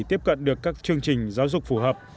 tiếp cận được các chương trình giáo dục phù hợp